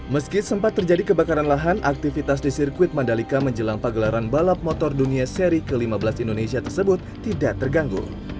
meski sempat terjadi kebakaran lahan aktivitas di sirkuit mandalika menjelang pagelaran balap motor dunia seri ke lima belas indonesia tersebut tidak terganggu